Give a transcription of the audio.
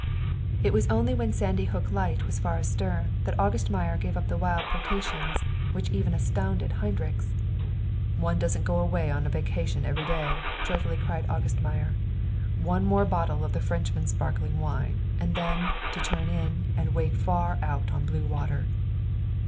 It was only when Sandy Hook light was far astern that August Meyer gave up the wild potations which even astounded Heinrichs. "One doesn't go away on a vacation every day," joyfully cried August Meyer. "One more bottle of the Frenchman's sparkling wine, and then to turn in and wake far out on blue water!"